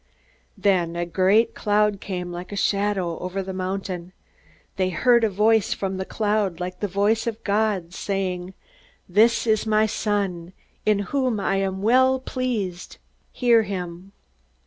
Then a great cloud came, like a shadow, over the mountain. They heard a voice from the cloud, like the voice of God, saying: "This is my beloved Son, in whom I am well pleased. Hear him!"